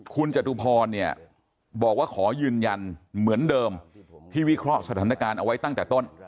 คุณจตุพรเนี่ยบอกว่าขอยืนยันเหมือนเดิมที่วิเคราะห์สถานการณ์เอาไว้ตั้งแต่ต้น